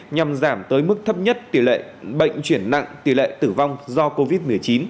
nhằm giảm tới mức thấp nhất tỷ lệ bệnh chuyển nặng tỷ lệ tử vong do covid một mươi chín